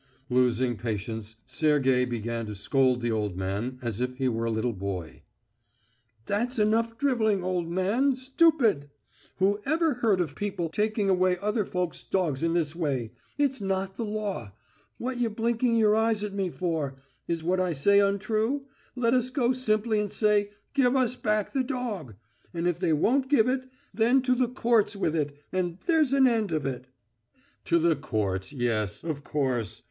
Losing patience, Sergey began to scold the old man as if he were a little boy. "That's enough drivelling, old man, stupid! Who ever heard of people taking away other folks' dogs in this way? It's not the law. What ye blinking your eyes at me for? Is what I say untrue? Let us go simply and say, 'Give us back the dog!' and if they won't give it, then to the courts with it, and there's an end of it." "To the courts ... yes ... of course....